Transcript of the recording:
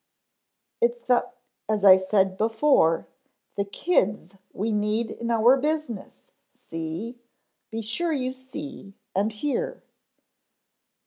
"It's the as I said before, THE kids we need in our business, see! Be sure you see, and hear."